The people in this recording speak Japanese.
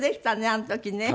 あの時ね。